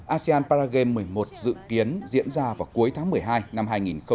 asean para games một mươi một dự kiến diễn ra vào cuối tháng một mươi hai năm hai nghìn hai mươi một